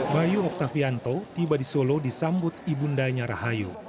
bayu oktavianto tiba di solo disambut ibu ndanya rahayu